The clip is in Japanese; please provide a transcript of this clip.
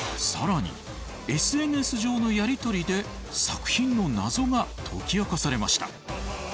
更にＳＮＳ上のやりとりで作品のナゾが解き明かされました。